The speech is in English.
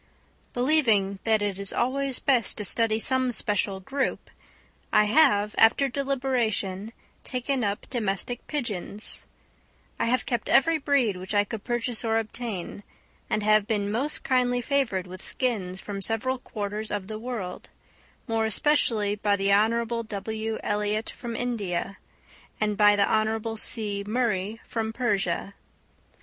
_ Believing that it is always best to study some special group, I have, after deliberation, taken up domestic pigeons. I have kept every breed which I could purchase or obtain, and have been most kindly favoured with skins from several quarters of the world, more especially by the Hon. W. Elliot from India, and by the Hon. C. Murray from Persia.